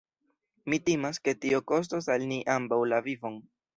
Mi timas, ke tio kostos al ni ambaŭ la vivon.